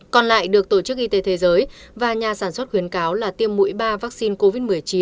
còn lại được tổ chức y tế thế giới và nhà sản xuất khuyến cáo là tiêm mũi ba vaccine covid một mươi chín